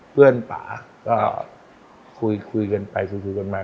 เพื่อนป่าก็คุยกันไปคุยกันมา